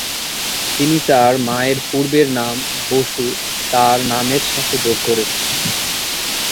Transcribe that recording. তিনি তাঁর মায়ের পূর্বের নাম "বসু" তাঁর নামের সাথে যোগ করেছেন।